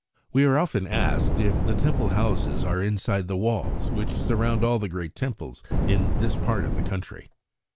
We are often asked if the Temple houses are inside the walls which surround all the great Temples in this part of the country.